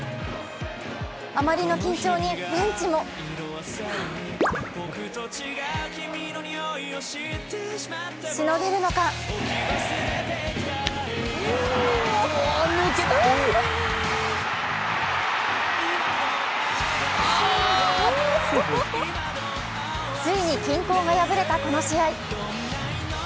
あまりの緊張にベンチもしのげるのかついに均衡が破れたこの試合。